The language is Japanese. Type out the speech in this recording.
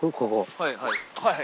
はいはい。